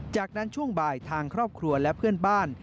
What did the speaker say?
จากนั้นช่วงบ่ายทางครอบครัวและเพื่อนบ้าน